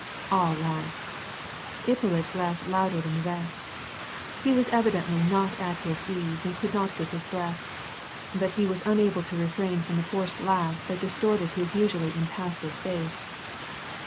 All laughed. Ippolit laughed louder than the rest. He was evidently not at his ease and could not get his breath, but he was unable to refrain from the forced laugh that distorted his usually impassive face.